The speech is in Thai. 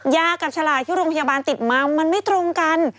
ยากับฉลากที่โรงพยาบาลติดมามันไม่ตรงกัน